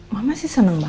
mama senang sekali